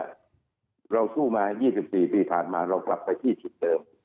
ว่าเราสู้มา๒๔ปีผ่านมาเรากลับไป๒๐เดิม